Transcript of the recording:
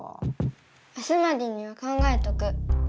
明日までには考えとく。